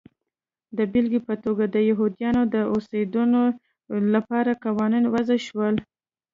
د بېلګې په توګه د یهودیانو د اوسېدنې لپاره قوانین وضع شول.